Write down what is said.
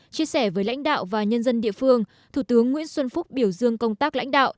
chia sẻ với lãnh đạo và nhân dân địa phương thủ tướng nguyễn xuân phúc biểu dương công tác lãnh đạo